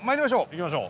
行きましょう。